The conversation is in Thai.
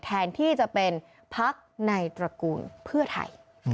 แทนที่จะเป็นพักในตระกูลเพื่อไทย